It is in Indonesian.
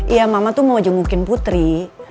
iya mama tuh mau jengukin putri